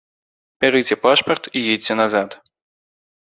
Бярыце пашпарт і едзьце назад.